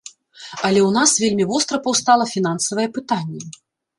Але ў нас вельмі востра паўстала фінансавае пытанне.